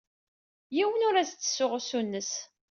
Yiwen ur as-d-ttessuɣ usu-nnes.